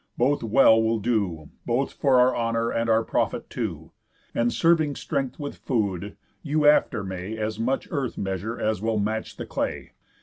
Both well will do, Both for our honour and our profit too. And, serving strength with food, you after may As much earth measure as will match the clay.